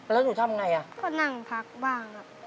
แล้วหนูทำไงอ่ะก็นั่งพักบ้างครับ